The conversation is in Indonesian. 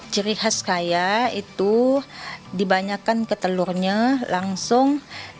ciri khas kaya itu dibanyakkan ke telurnya langsung